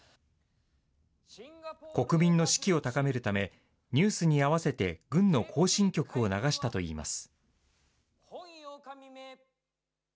国民の士気を高めるため、ニュースに合わせて、軍の行進曲を流したといいます。